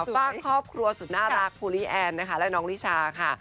ฝากครอบครัวสุดน่ารักภูลีแอนนะคะและน้องลิชาค่ะ